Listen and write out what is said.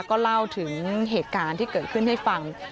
ก็เล่าถึงเหตุการณ์ที่เกิดขึ้นให้ฟัง